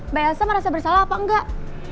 mbak elsa merasa bersalah apa enggak